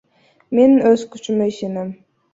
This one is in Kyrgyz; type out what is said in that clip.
Мен өз күчүмө ишенем.